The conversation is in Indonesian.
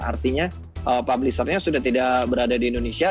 artinya publishernya sudah tidak berada di indonesia